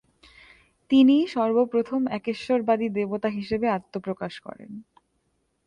তিনিই সর্বপ্রথম একেশ্বরবাদী দেবতা হিসেবে আত্মপ্রকাশ করেন।